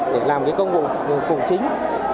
để làm công cụ chính